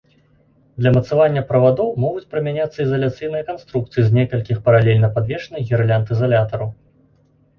Для мацавання правадоў могуць прымяняцца ізаляцыйныя канструкцыі з некалькіх паралельна падвешаных гірлянд ізалятараў.